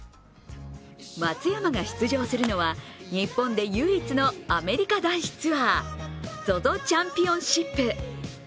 松山が出場するのは日本で唯一のアメリカ男子ツアーＺＯＺＯチャンピオンシップ。